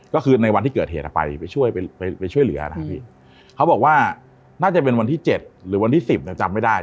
ก็คือในวันที่เกิดเหตุไปช่วยไปช่วยเหลือนะครับพี่เขาบอกว่าน่าจะเป็นวันที่๗หรือวันที่สิบเนี่ยจำไม่ได้